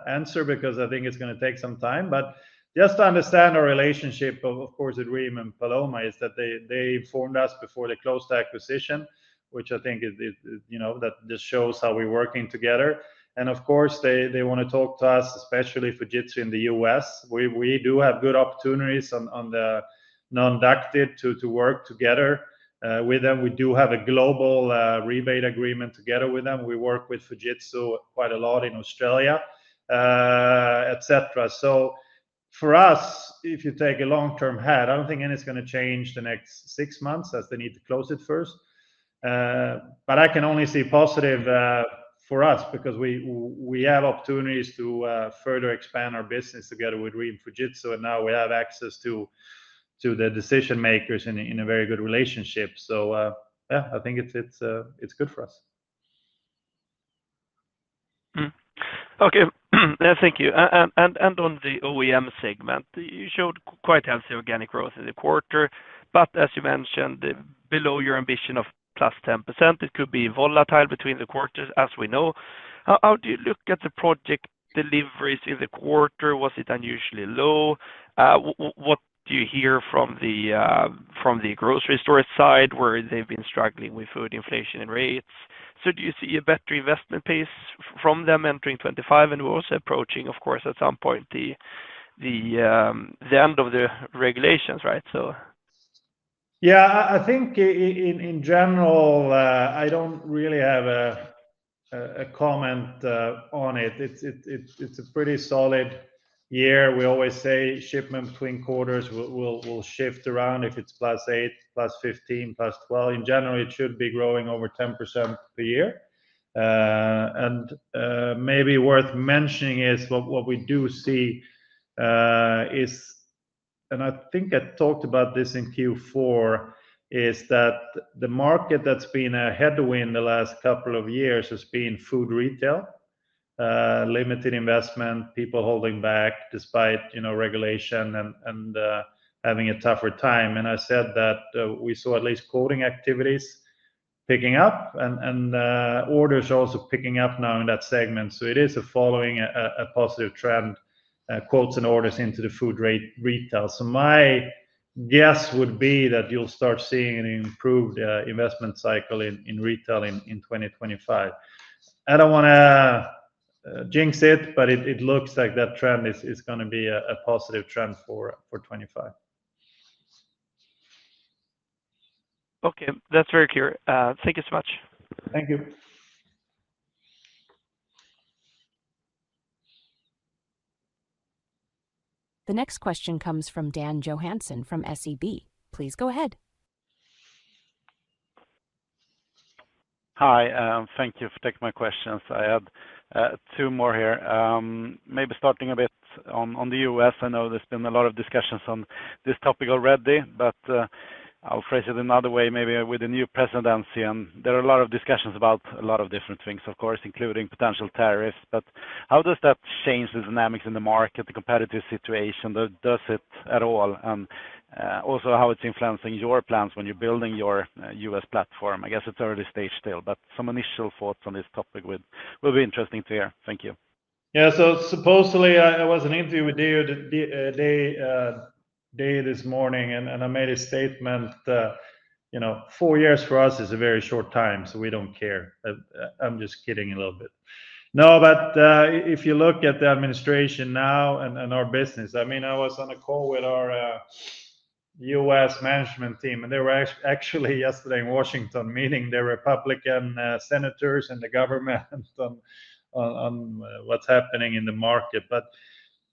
answer because I think it's going to take some time. But just to understand our relationship, of course, with Rheem and Paloma is that they informed us before they closed the acquisition, which I think that just shows how we're working together. And of course, they want to talk to us, especially Fujitsu in the US. We do have good opportunities on the non-ducted to work together with them. We do have a global rebate agreement together with them. We work with Fujitsu quite a lot in Australia, etc. So for us, if you take a long-term view, I don't think anything's going to change in the next six months as they need to close it first. But I can only see positive for us because we have opportunities to further expand our business together with Rheem Fujitsu. And now we have access to the decision-makers in a very good relationship. So yeah, I think it's good for us. Okay. Thank you. And on the OEM segment, you showed quite healthy organic growth in the quarter. But as you mentioned, below your ambition of plus 10%, it could be volatile between the quarters, as we know. How do you look at the project deliveries in the quarter? Was it unusually low? What do you hear from the grocery store side where they've been struggling with food inflation and rates? So do you see a better investment pace from them entering 2025? And we're also approaching, of course, at some point the end of the regulations, right? Yeah, I think in general, I don't really have a comment on it. It's a pretty solid year. We always say shipment between quarters will shift around if it's +8%, +15%, +12%. In general, it should be growing over 10% per year. Maybe worth mentioning is what we do see is, and I think I talked about this in Q4, is that the market that's been a headwind the last couple of years has been food retail, limited investment, people holding back despite regulation and having a tougher time. And I said that we saw at least quoting activities picking up and orders also picking up now in that segment. So it is following a positive trend, quotes and orders into the food retail. So my guess would be that you'll start seeing an improved investment cycle in retail in 2025. I don't want to jinx it, but it looks like that trend is going to be a positive trend for 2025. Okay. That's very clear. Thank you so much. Thank you. The next question comes from Dan Johansson from SEB. Please go ahead. Hi. Thank you for taking my questions. I had two more here. Maybe starting a bit on the US. I know there's been a lot of discussions on this topic already, but I'll phrase it another way, maybe with a new presidency. And there are a lot of discussions about a lot of different things, of course, including potential tariffs. But how does that change the dynamics in the market, the competitive situation? Does it at all? And also how it's influencing your plans when you're building your U.S. platform? I guess it's early stage still, but some initial thoughts on this topic would be interesting to hear. Thank you. Yeah. So supposedly, I was in an interview with David this morning, and I made a statement, "Four years for us is a very short time, so we don't care." I'm just kidding a little bit. No, but if you look at the administration now and our business, I mean, I was on a call with our U.S. management team, and they were actually yesterday in Washington meeting their Republican senators and the government on what's happening in the market.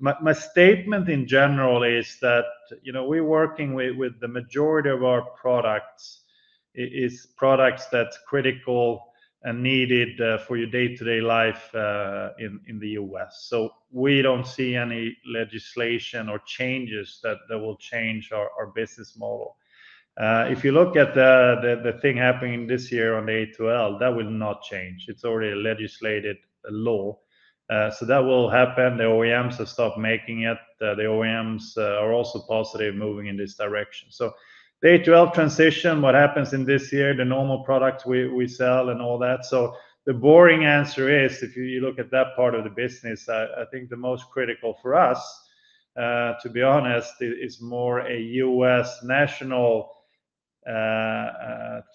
But my statement in general is that we're working with the majority of our products is products that's critical and needed for your day-to-day life in the U.S. So we don't see any legislation or changes that will change our business model. If you look at the thing happening this year on the A2L, that will not change. It's already a legislated law. So that will happen. The OEMs have stopped making it. The OEMs are also positive moving in this direction. So the A2L transition, what happens in this year, the normal products we sell and all that. So the boring answer is, if you look at that part of the business, I think the most critical for us, to be honest, is more a U.S. national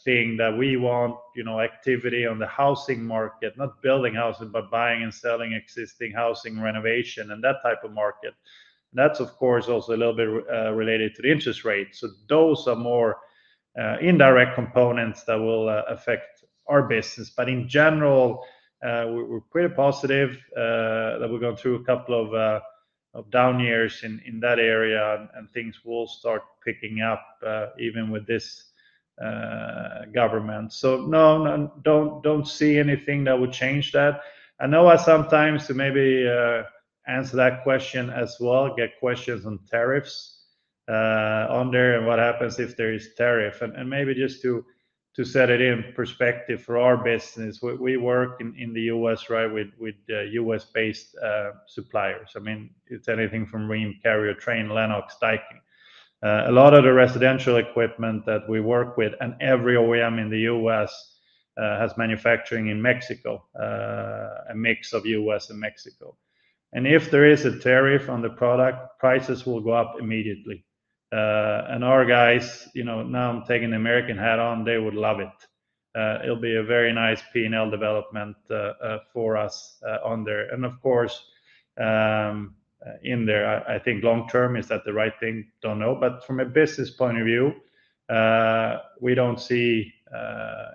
thing that we want activity on the housing market, not building housing, but buying and selling existing housing renovation and that type of market. And that's, of course, also a little bit related to the interest rate. So those are more indirect components that will affect our business. But in general, we're pretty positive that we're going through a couple of down years in that area, and things will start picking up even with this government. So no, don't see anything that would change that. I know I sometimes maybe answer that question as well, get questions on tariffs on there and what happens if there is tariff. And maybe just to set it in perspective for our business, we work in the U.S., right, with U.S.-based suppliers. I mean, it's anything from Rheem, Carrier, Trane, Lennox, Daikin. A lot of the residential equipment that we work with, and every OEM in the U.S. has manufacturing in Mexico, a mix of U.S. and Mexico. And if there is a tariff on the product, prices will go up immediately. And our guys, now I'm taking the American hat on, they would love it. It'll be a very nice P&L development for us on there. And of course, in there, I think long-term is that the right thing? Don't know. But from a business point of view, we don't see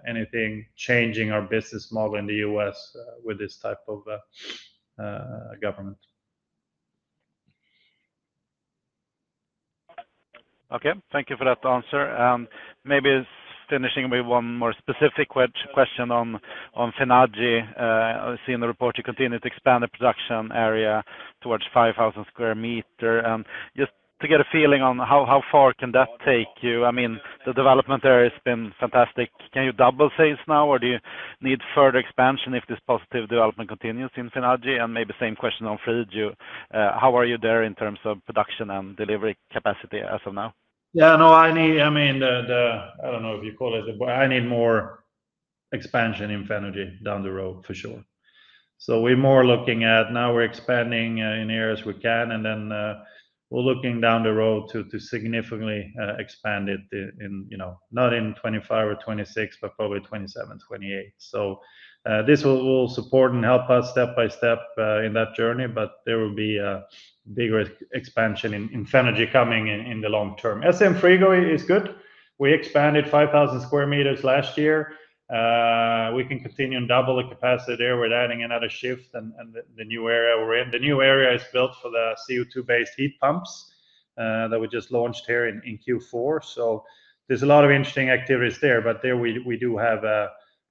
anything changing our business model in the U.S. with this type of government. Okay. Thank you for that answer. And maybe finishing with one more specific question on Fenagy. I see in the report you continue to expand the production area towards 5,000 sq m. And just to get a feeling on how far can that take you? I mean, the development there has been fantastic. Can you double sales now, or do you need further expansion if this positive development continues in Fenagy? And maybe same question on SM Frigo. How are you there in terms of production and delivery capacity as of now? Yeah, no, I mean, I don't know if you call it, but I need more expansion in Fenagy down the road for sure. So we're more looking at now we're expanding in areas we can, and then we're looking down the road to significantly expand it in not in 2025 or 2026, but probably 2027, 2028. So this will support and help us step by step in that journey, but there will be a bigger expansion in Fenagy coming in the long term. SM Frigo is good. We expanded 5,000 square meters last year. We can continue and double the capacity there with adding another shift and the new area we're in. The new area is built for the CO2-based heat pumps that we just launched here in Q4. So there's a lot of interesting activities there, but there we do have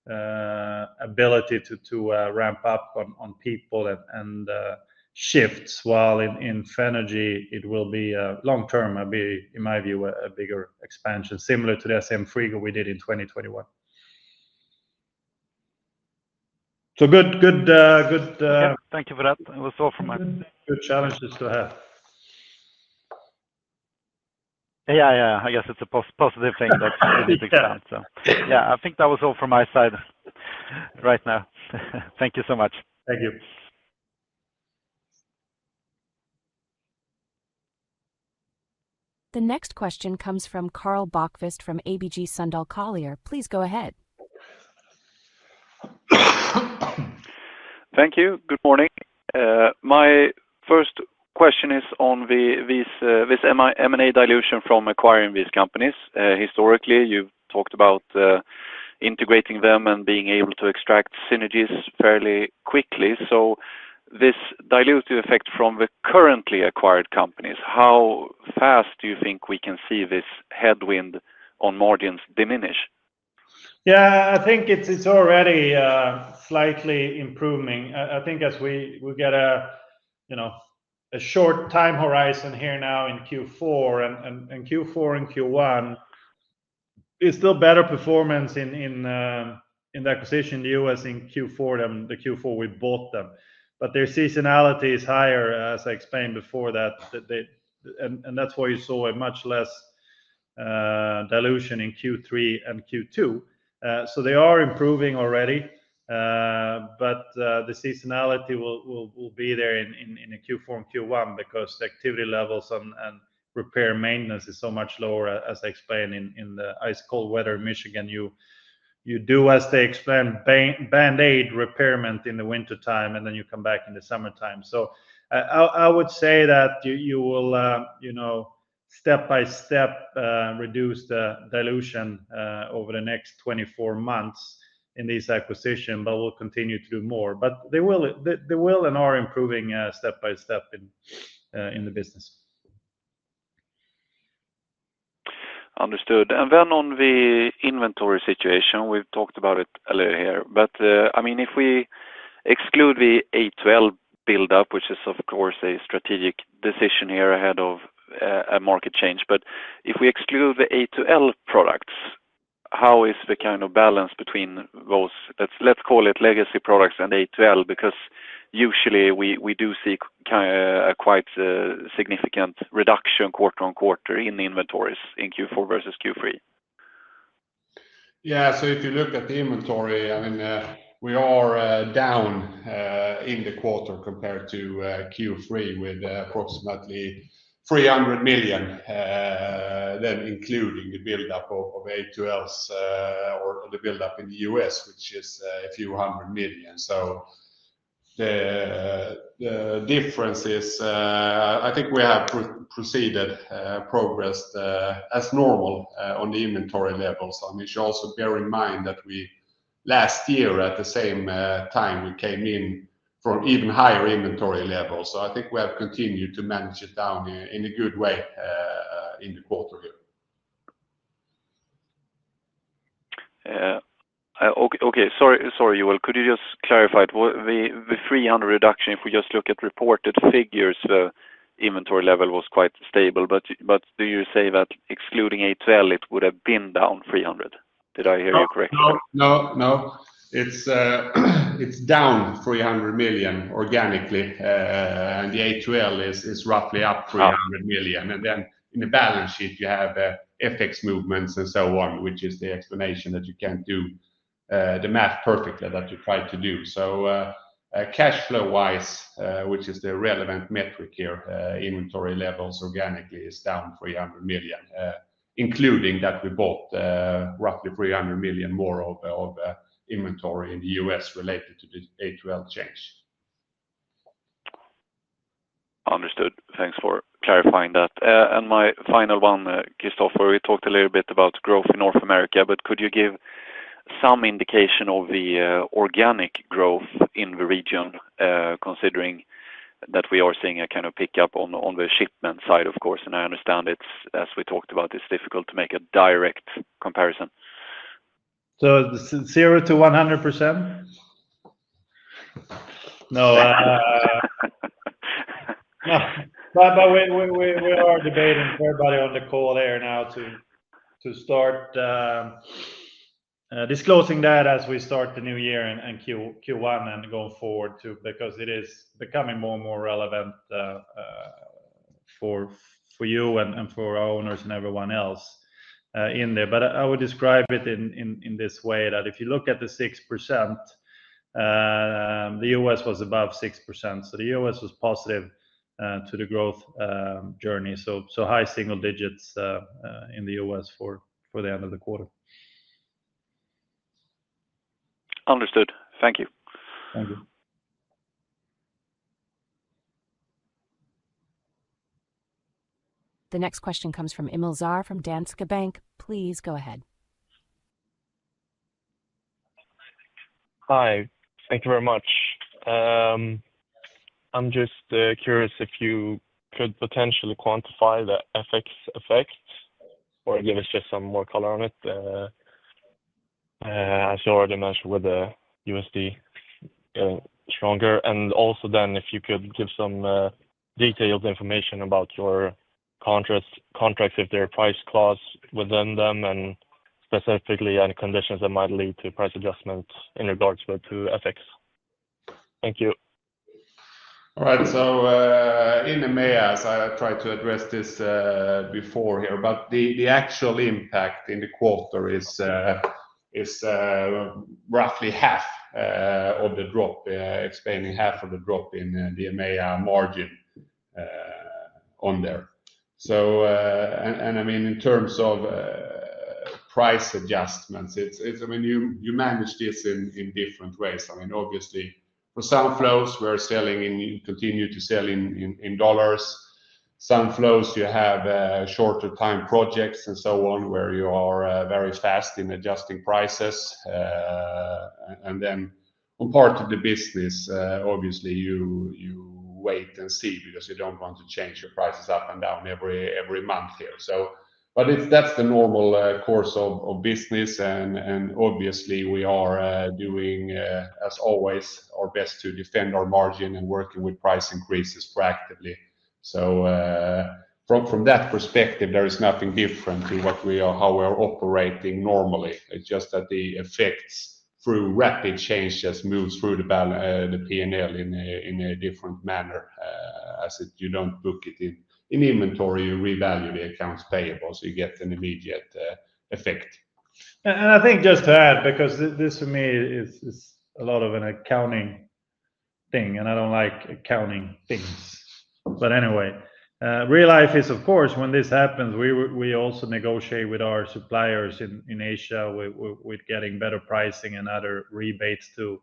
an ability to ramp up on people and shifts while in Fenagy it will be long-term, in my view, a bigger expansion similar to the SM Frigo we did in 2021. So good. Thank you for that. That was all from me. Good challenges to have. Yeah, yeah, yeah. I guess it's a positive thing that we didn't expand. So yeah, I think that was all from my side right now. Thank you so much. Thank you. The next question comes from Karl Bokvist from ABG Sundal Collier. Please go ahead. Thank you. Good morning. My first question is on this M&A dilution from acquiring these companies. Historically, you've talked about integrating them and being able to extract synergies fairly quickly. So this dilutive effect from the currently acquired companies, how fast do you think we can see this headwind on margins diminish? Yeah, I think it's already slightly improving. I think as we get a short time horizon here now in Q4 and Q1, it's still better performance in the acquisition in the US in Q4 than the Q4 we bought them. But their seasonality is higher, as I explained before, and that's why you saw a much less dilution in Q3 and Q2. So they are improving already, but the seasonality will be there in Q4 and Q1 because the activity levels and repair maintenance is so much lower, as I explained in the ice cold weather in Michigan. You do, as they explain, Band-Aid repairs in the wintertime, and then you come back in the summertime. So I would say that you will step by step reduce the dilution over the next 24 months in this acquisition, but we'll continue to do more. But they will and are improving step by step in the business. Understood. And then on the inventory situation, we've talked about it earlier here. But I mean, if we exclude the A2L build-up, which is, of course, a strategic decision here ahead of a market change, but if we exclude the A2L products, how is the kind of balance between those, let's call it legacy products and A2L, because usually we do see quite a significant reduction quarter on quarter in inventories in Q4 versus Q3? Yeah. So if you look at the inventory, I mean, we are down in the quarter compared to Q3 with approximately 300 million, then including the build-up of A2Ls or the build-up in the U.S., which is a few hundred million. So the difference is I think we have proceeded progress as normal on the inventory levels. I mean, you should also bear in mind that last year at the same time, we came in for even higher inventory levels. So I think we have continued to manage it down in a good way in the quarter here. Okay. Sorry, Joel. Could you just clarify it? The 300 million reduction, if we just look at reported figures, the inventory level was quite stable. But do you say that excluding A2L, it would have been down 300 million? Did I hear you correctly? No, no, no. It's down 300 million organically, and the A2L is roughly up 300 million. And then in the balance sheet, you have FX movements and so on, which is the explanation that you can't do the math perfectly that you try to do. So cash flow-wise, which is the relevant metric here, inventory levels organically is down 300 million, including that we bought roughly 300 million more of inventory in the U.S. related to the A2L change. Understood. Thanks for clarifying that. And my final one, Christopher, we talked a little bit about growth in North America, but could you give some indication of the organic growth in the region considering that we are seeing a kind of pickup on the shipment side, of course? And I understand, as we talked about, it's difficult to make a direct comparison. So 0% to 100%? No. But we are debating everybody on the call here now to start disclosing that as we start the new year and Q1 and going forward too, because it is becoming more and more relevant for you and for our owners and everyone else in there. But I would describe it in this way that if you look at the 6%, the U.S. was above 6%. So the U.S. was positive to the growth journey. So high single digits in the U.S. for the end of the quarter. Understood. Thank you. Thank you. The next question comes from Trollsten from Danske Bank. Please go ahead. Hi. Thank you very much. I'm just curious if you could potentially quantify the FX effect or give us just some more color on it. As you already mentioned with the USD stronger. And also then if you could give some detailed information about your contracts, if there are price clauses within them, and specifically any conditions that might lead to price adjustments in regards to FX? Thank you. All right. So in EMEA, as I tried to address this before here, but the actual impact in the quarter is roughly half of the drop, explaining half of the drop in the EMEA margin on there. And I mean, in terms of price adjustments, I mean, you manage this in different ways. I mean, obviously, for some flows, we're continuing to sell in dollars. Some flows, you have shorter-term projects and so on where you are very fast in adjusting prices. And then on part of the business, obviously, you wait and see because you don't want to change your prices up and down every month here. But that's the normal course of business. And obviously, we are doing, as always, our best to defend our margin and working with price increases proactively. So from that perspective, there is nothing different in how we are operating normally. It's just that the effects through rapid changes move through the P&L in a different manner. As you don't book it in inventory, you revalue the accounts payable, so you get an immediate effect. And I think just to add, because this for me is a lot of an accounting thing, and I don't like accounting things. But anyway, real life is, of course, when this happens, we also negotiate with our suppliers in Asia with getting better pricing and other rebates to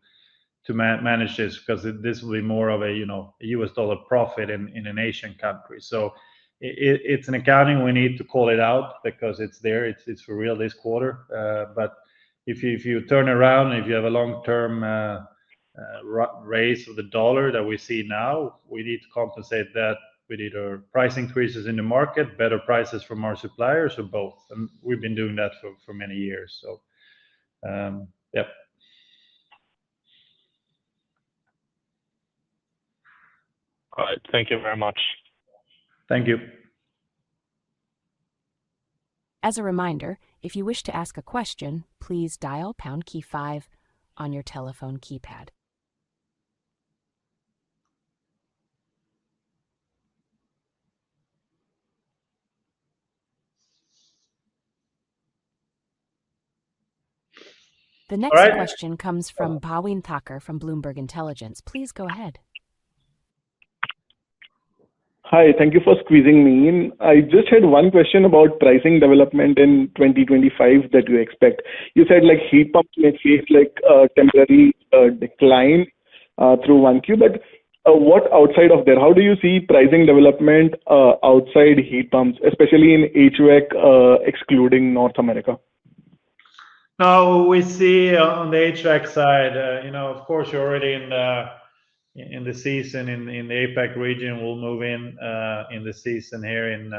manage this because this will be more of a US dollar profit in an Asian country. So it's an accounting we need to call it out because it's there. It's for real this quarter. But if you turn around, if you have a long-term raise of the dollar that we see now, we need to compensate that with either price increases in the market, better prices from our suppliers, or both. And we've been doing that for many years. So yeah. All right. Thank you very much. Thank you. As a reminder, if you wish to ask a question, please dial pound key five on your telephone keypad. The next question comes from Karan Thakkar from Bloomberg Intelligence. Please go ahead. Hi. Thank you for squeezing me in. I just had one question about pricing development in 2025 that you expect. You said heat pumps may face a temporary decline through 1Q, but what outside of there? How do you see pricing development outside heat pumps, especially in HVAC, excluding North America? No, we see on the HVAC side, of course, you're already in the season in the APAC region. We'll move in the season here in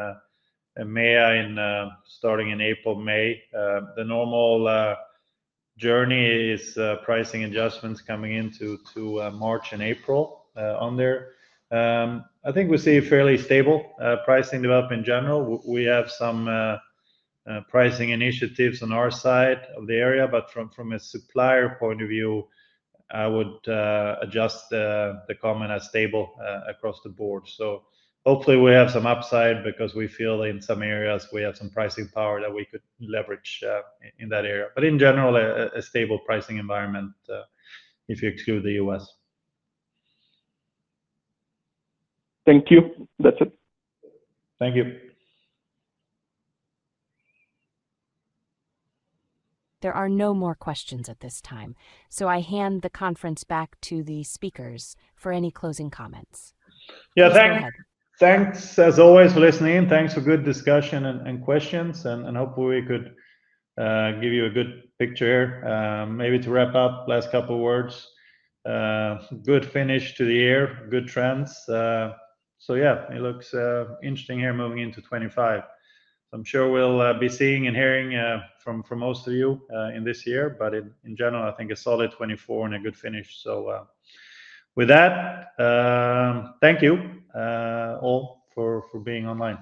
EMEA starting in April, May. The normal journey is pricing adjustments coming into March and April on there. I think we see a fairly stable pricing development in general. We have some pricing initiatives on our side of the area, but from a supplier point of view, I would adjust the comment as stable across the board. So hopefully, we have some upside because we feel in some areas we have some pricing power that we could leverage in that area. But in general, a stable pricing environment if you exclude the US. Thank you. That's it. Thank you. There are no more questions at this time. So I hand the conference back to the speakers for any closing comments. Yeah. Thanks. Thanks as always for listening. Thanks for good discussion and questions. And I hope we could give you a good picture here. Maybe to wrap up, last couple of words. Good finish to the year. Good trends. So yeah, it looks interesting here moving into 2025. So I'm sure we'll be seeing and hearing from most of you in this year. But in general, I think a solid 2024 and a good finish. So with that, thank you all for being online.